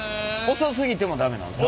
遅すぎても駄目なんですか？